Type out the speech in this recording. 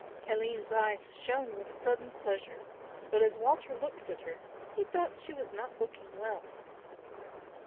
Aline's eyes shone with sudden pleasure; but as Walter looked at her he thought she was not looking well.